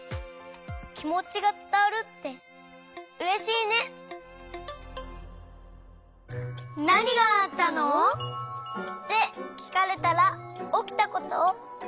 きもちがつたわるってうれしいね！ってきかれたらおきたことをじゅんばんにはなそう！